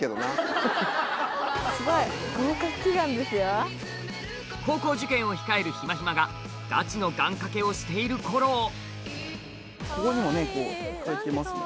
すごい！高校受験を控えるひまひまがガチの願掛けをしている頃ここにも書いてますもんね